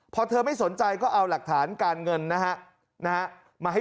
พอเธอไม่สนใจก็เอาหลักฐานการเงินนะฮะมาให้